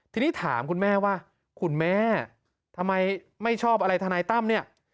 ทีนี้ถามคุณแม่ว่าคุณแม่ทำไมไม่ชอบอะไรทนายตั้มเนี่ย